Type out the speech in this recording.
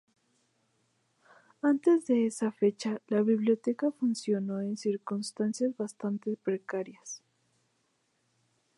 Antes de esa fecha, la Biblioteca funcionó en circunstancias bastante precarias.